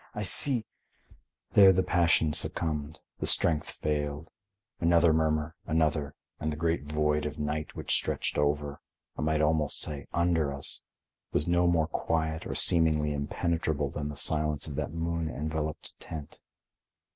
I see—" There the passion succumbed, the strength failed; another murmur, another, and the great void of night which stretched over—I might almost say under us—was no more quiet or seemingly impenetrable than the silence of that moon enveloped tent.